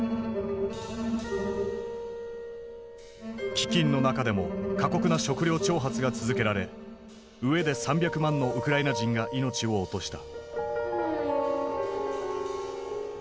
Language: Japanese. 飢饉の中でも過酷な食糧徴発が続けられ飢えで３００万のウクライナ人が命を落とした。